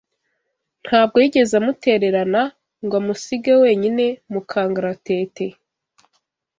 ntabwo yigeze amutererana ngo amusige wenyine mu kangaratete